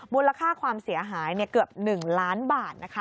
มูลค่าความเสียหายเกือบ๑ล้านบาทนะคะ